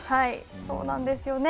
そうなんですよね。